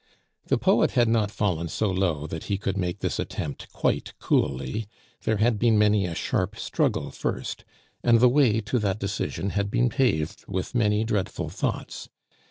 The poet had not fallen so low that he could make this attempt quite coolly. There had been many a sharp struggle first, and the way to that decision had been paved with many dreadful thoughts.